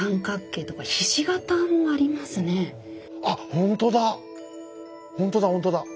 ほんとだほんとだ。